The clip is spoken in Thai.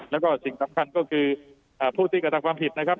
แล้วก็สิ่งสำคัญก็คือผู้ที่กระทำความผิดนะครับ